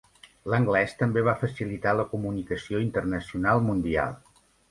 L'anglès també va facilitar la comunicació internacional mundial.